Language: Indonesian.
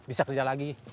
bisa kerja lagi